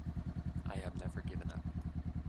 I have never given up.